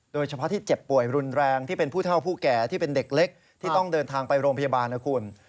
โดยเฉพาะที่เจ็บป่วยรุนแรงที่เป็นผู้เท่าผู้แก่ที่เป็นเด็กเล็กที่ต้องเดินทางไปโรงพยาบาลนะคุณ